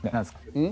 うん。